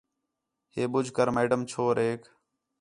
ہے ٻُجھ کر میڈم چھوریک